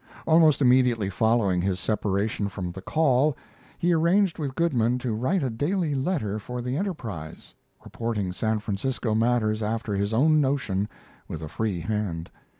Almost immediately following his separation from the 'Call' he arranged with Goodman to write a daily letter for the Enterprise, reporting San Francisco matters after his own notion with a free hand.